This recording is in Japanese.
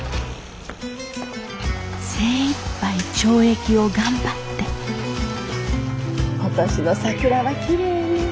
精いっぱい懲役を頑張って今年の桜はきれいね。